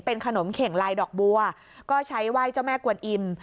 เป็นขนมเข่งลายดอกบัวก็ใช้ไหว้เจ้าแม่กวนอิ่ม